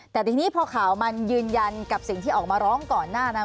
แต่ทีนี้พอข่าวมันยืนยันกับสิ่งที่ออกมาร้องก่อนหน้านั้น